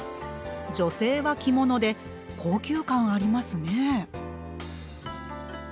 女性は着物で高級感ありますね。